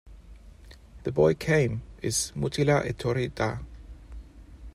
"The boy came" is 'mutila etorri da'.